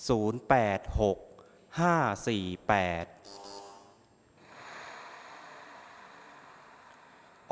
ออกรวมที่๕ครั้งที่๕๔